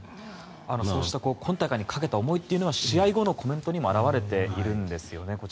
そうした今大会にかけた思いというのは試合後のコメントにも表れているんですよね。